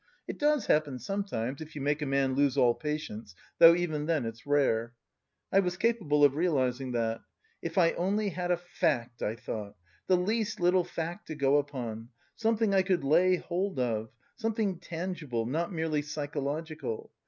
It does happen sometimes, if you make a man lose all patience, though even then it's rare. I was capable of realising that. If I only had a fact, I thought, the least little fact to go upon, something I could lay hold of, something tangible, not merely psychological.